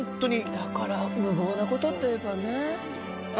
だから無謀な事といえばね。